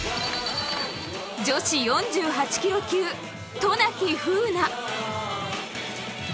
女子４８ｋｇ級渡名喜風南。